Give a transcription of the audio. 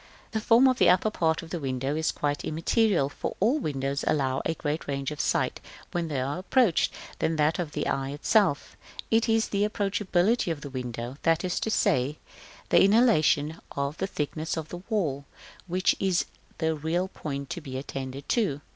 The form of the upper part of the window is quite immaterial, for all windows allow a greater range of sight when they are approached than that of the eye itself: it is the approachability of the window, that is to say, the annihilation of the thickness of the wall, which is the real point to be attended to.